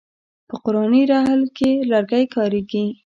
په قرآني رحل کې لرګی کاریږي.